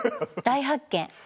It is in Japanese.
大発見。